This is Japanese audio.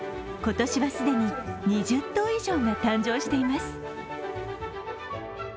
今年は既に２０頭以上が誕生しています。